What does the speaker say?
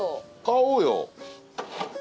買おうよ。